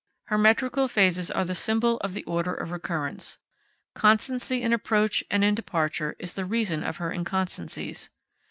Her metrical phases are the symbol of the order of recurrence. Constancy in approach and in departure is the reason of her inconstancies.